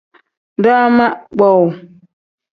Daama kpowuu.